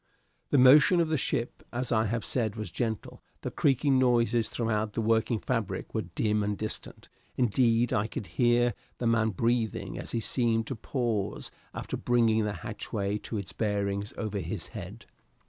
The motion of the ship, as I have said, was gentle, the creaking noises throughout the working fabric were dim and distant; indeed, I could hear the man breathing as he seemed to pause after bringing the hatchway to its bearings over his head.